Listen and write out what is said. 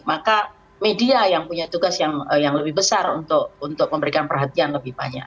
maka media yang punya tugas yang lebih besar untuk memberikan perhatian lebih banyak